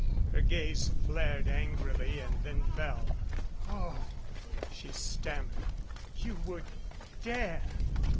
Her gaze flared angrily and then fell. "Oh !" she stammered. "You would dare!'